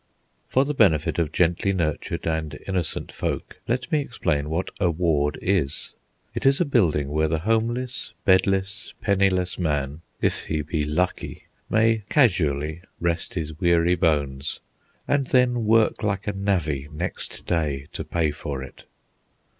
For the benefit of gently nurtured and innocent folk, let me explain what a ward is. It is a building where the homeless, bedless, penniless man, if he be lucky, may casually rest his weary bones, and then work like a navvy next day to pay for it.